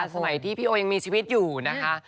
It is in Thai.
สมัยที่พี่โอยังมีชีวิตอยู่นะคะ